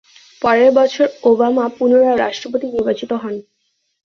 পরের বছর ওবামা পুনরায় রাষ্ট্রপতি নির্বাচিত হন।